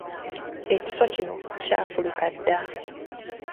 Ekiswa kino kyafuluka dda.